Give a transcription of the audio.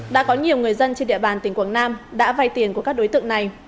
đã có nhiều người dân trên địa bàn tỉnh quảng nam đã vay tiền của các đối tượng này